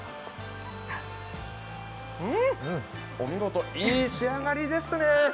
うん、お見事、いい仕上がりですね。